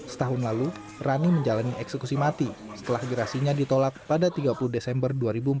setahun lalu rani menjalani eksekusi mati setelah gerasinya ditolak pada tiga puluh desember dua ribu empat belas